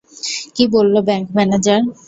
কি বললো bank manager?